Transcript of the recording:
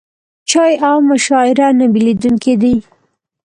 چای او مشاعره نه بېلېدونکي دي.